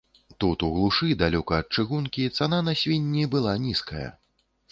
Тут у глушы, далёка ад чыгункі, цана на свінні была нізкая.